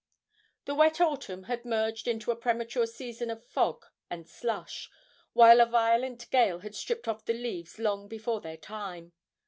The wet autumn had merged into a premature season of fog and slush, while a violent gale had stripped off the leaves long before their time.